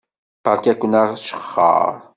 Beṛka-ken ajexxeṛ.